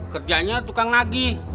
kerjanya tukang nagih